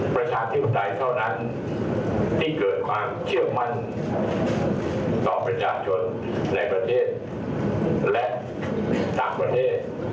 ประชาธิปไตยเท่านั้นที่เกิดความเชื่อมั่นต่อประชาชนในประเทศและต่างประเทศ